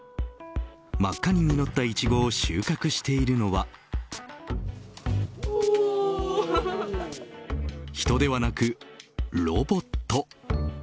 真っ赤に実ったイチゴを収穫しているのは人ではなくロボット。